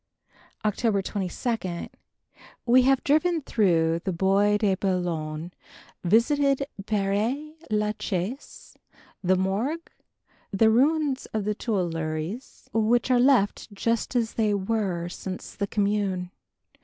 October 22. We have driven through the Bois de Boulogne, visited Père la Chaise, the Morgue, the ruins of the Tuileries, which are left just as they were since the Commune.